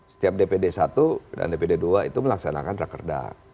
setiap dpd i dan dpd ii itu melaksanakan rakerda